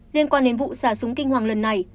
liên quan đến vụ xả súng kinh hoàng lần này